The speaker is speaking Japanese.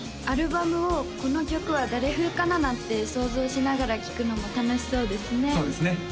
アルバムをこの曲は誰風かな？なんて想像しながら聴くのも楽しそうですね